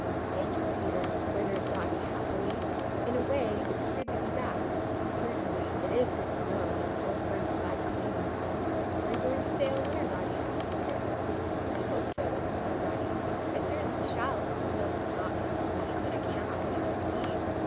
"Thank you, Peter," twittered Dotty happily. "In a way it is good to be back. Certainly, it is good to know that an old friend is glad to see me." "Are you going to stay all winter, Dotty?" asked Peter. "I hope so," replied Dotty. "I certainly shall if the snow does not get so deep that I cannot get enough to eat.